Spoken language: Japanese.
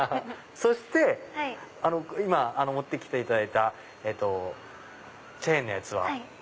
そして今持って来ていただいたチェーンのやつは？